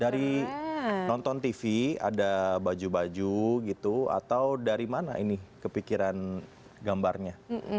dari nonton tv ada baju baju gitu atau dari mana ini kepikiran gambarnya